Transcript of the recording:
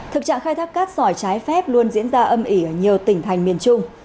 thực trạng khai thác cát sỏi trái phép luôn diễn ra âm ỉ ở nhiều tỉnh thành miền trung